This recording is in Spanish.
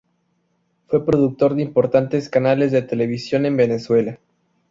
Fue productor de importantes canales de televisión en Venezuela.